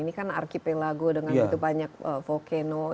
ini kan archipelago dengan banyak volcano